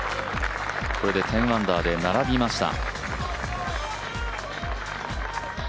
これで１０アンダーで並びました。